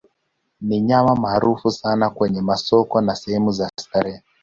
Ni nyama maarufu sana kwenye masoko na sehemu za starehe.